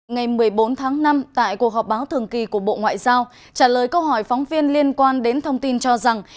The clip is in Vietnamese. ngày một mươi bốn tháng năm tại cuộc họp báo thường kỳ của bộ ngoại giao trả lời câu hỏi phóng viên liên quan đến thông tin cho rằng